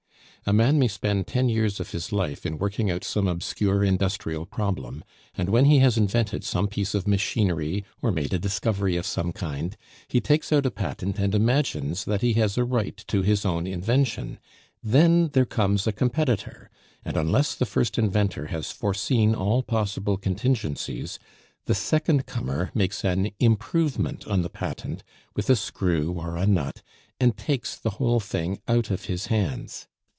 A man may spend ten years of his life in working out some obscure industrial problem; and when he has invented some piece of machinery, or made a discovery of some kind, he takes out a patent and imagines that he has a right to his own invention; then there comes a competitor; and unless the first inventor has foreseen all possible contingencies, the second comer makes an "improvement on the patent" with a screw or a nut, and takes the whole thing out of his hands.